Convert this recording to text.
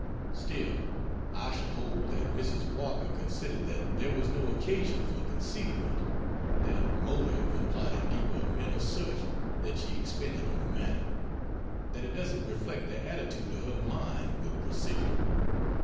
Still, I should hold that Mrs. Walker considered that there was no occasion for concealment; that "motive" implied a deeper mental search than she expended on the matter; that it doesn't reflect the attitude of her mind with precision.